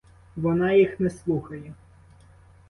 Вона їх не слухає.